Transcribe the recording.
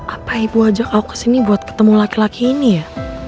apa ibu ajak aku kesini buat ketemu laki laki ini ya